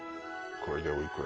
これでおいくら？